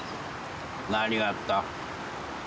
何があった？